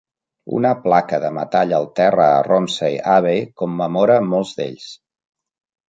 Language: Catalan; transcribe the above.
Una placa de metall al terra a Romsey Abbey commemora molts d"ells.